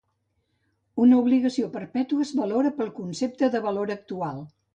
Una obligació perpètua es valora pel concepte de Valor actual.